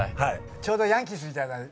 ちょうどヤンキースみたいな服。